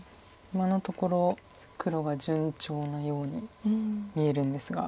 今のところ黒が順調なように見えるんですが。